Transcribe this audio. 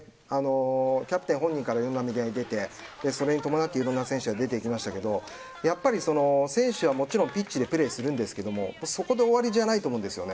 キャプテン本人からメディアに出てそれに伴っていろんな選手が出てきましたけど選手はもちろんピッチでプレーしますがそこで終わりじゃないと思うんですよね。